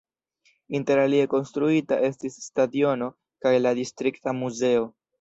Interalie konstruita estis stadiono kaj la distrikta muzeo.